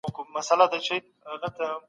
د عمر مانا په يوالي او بریا کي ده.